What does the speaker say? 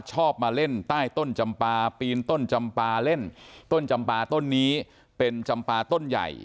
ชอบมาเล่นใต้ต้นจำปลาปีนต้นจำปลาเล่นต้นจำปลาต้นนี้เป็นจำปลาต้นใหญ่